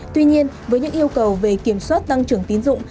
tuy nhiên với những yêu cầu về kiểm soát tăng trưởng tín dụng